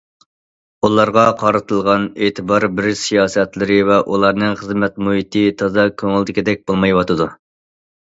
ئۇلارغا قارىتىلغان ئېتىبار بېرىش سىياسەتلىرى ۋە ئۇلارنىڭ خىزمەت مۇھىتى تازا كۆڭۈلدىكىدەك بولمايۋاتىدۇ.